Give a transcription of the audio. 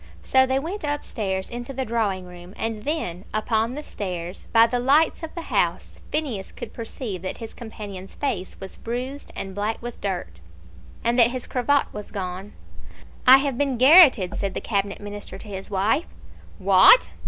So they went up stairs into the drawing room, and then upon the stairs, by the lights of the house, Phineas could perceive that his companion's face was bruised and black with dirt, and that his cravat was gone. "I have been garrotted," said the Cabinet Minister to his wife. "What?"